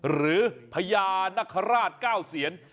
หรือพญานคราชเก้าเสียน